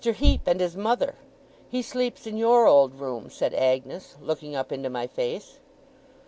Heep and his mother. He sleeps in your old room,' said Agnes, looking up into my face.